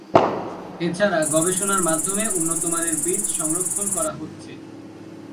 এছাড়া গবেষনার মাধ্যমে উন্নতমানের বীজ সংরক্ষন করা হচ্ছে।